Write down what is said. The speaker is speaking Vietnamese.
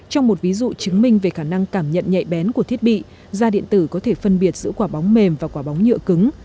trong một ví dụ chứng minh về khả năng cảm nhận nhạy bén của thiết bị da điện tử có thể phân biệt giữa quả bóng mềm và quả bóng nhựa cứng